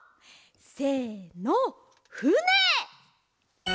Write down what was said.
せのふね！